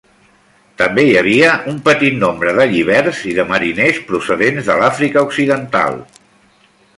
També hi havia un petit nombre de lliberts i de mariners procedents de l'Àfrica Occidental.